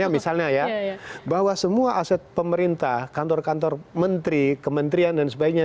misalnya ya bahwa semua aset pemerintah kantor kantor menteri kementerian dan sebagainya